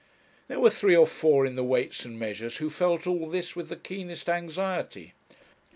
There were three or four in the Weights and Measures who felt all this with the keenest anxiety.